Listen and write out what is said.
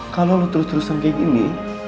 kalo lo terus terusan kayak gini